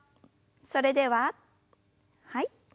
それでははい。